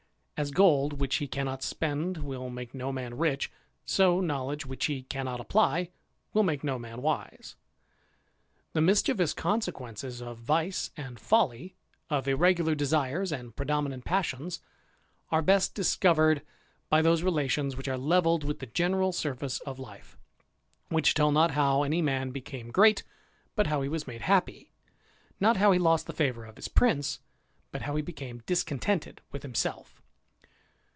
As gold which he cannot spend will make no man rich, so knowledge which he cannot apply will make no man wise. The mischievous consequences of vice and folly, of ^^Tegular desires and predominant passions, are best dis covered by those relations which are levelled with the general surface of life, which tell not how any man became Si'eat, but how he was made happy; not how he lost the fevour of his prince, but how he became discontented with himself.